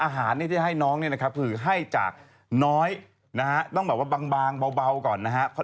อาหารที่จะให้น้องคือให้จากน้อยต้องบางเบาก่อนนะครับ